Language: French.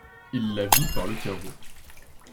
Il la vit par le carreau.